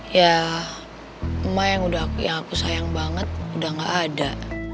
ya emak yang aku sayang banget udah gak ada